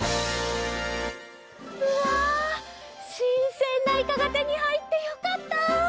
うわしんせんなイカがてにはいってよかった。